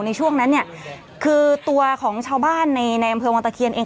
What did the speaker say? ในช่วงนั้นเนี่ยคือตัวของชาวบ้านในในอำเภอวังตะเคียนเอง